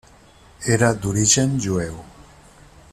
Era d'origen jueu.